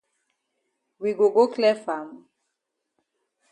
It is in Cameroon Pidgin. We go go clear farm?